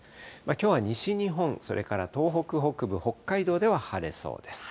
きょうは西日本、それから東北北部、北海道では晴れそうです。